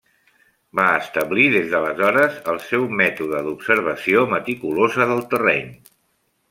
Va establir des d'aleshores el seu mètode d'observació meticulosa del terreny.